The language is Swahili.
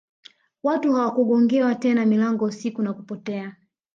Watu hawakugongewa tena milango usiku na kupotea